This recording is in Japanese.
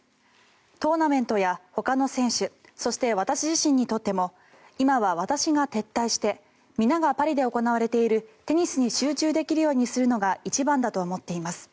トーナメントやほかの選手そして、私自身にとっても今は私が撤退して皆がパリで行われているテニスに集中できるようにするのが一番だと思っています